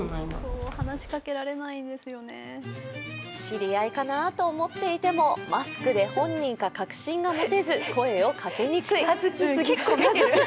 知り合いかな？と思っていてもマスクで本人か確信が持てず声をかけにくい。